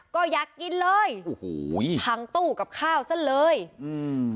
ก็อยากกินเลยโอ้โหพังตู้กับข้าวซะเลยอืม